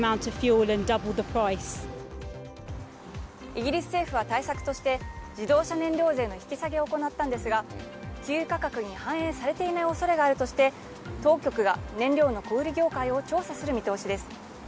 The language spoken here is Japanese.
イギリス政府は対策として自動車燃料税の引き下げを行ったんですが給油価格に反映されていないおそれがあるとして当局が燃料の小売業界を調査する見通しです。